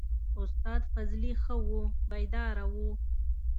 استاد فضلي ښه وو بیداره و.